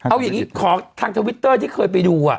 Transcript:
เอาอย่างนี้ขอทางทวิตเตอร์ที่เคยไปดู